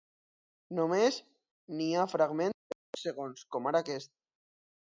Només n’hi ha fragments de pocs segons, com ara aquest.